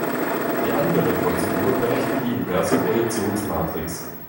Die andere Prozedur berechnet die inverse Projektionsmatrix.